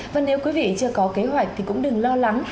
và nếu quý vị chưa có kế hoạch thì cũng đừng lo lắng